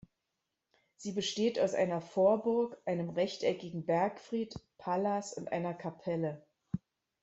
Sie besteht aus einer Vorburg, einem rechteckigen Bergfried, Palas und einer Kapelle.